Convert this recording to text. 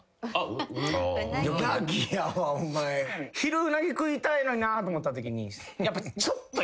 昼うなぎ食いたいのになと思ったときにやっぱちょっと。